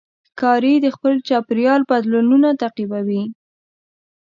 ښکاري د خپل چاپېریال بدلونونه تعقیبوي.